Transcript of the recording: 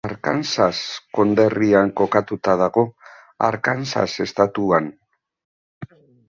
Arkansas konderrian kokatuta dago, Arkansas estatuan.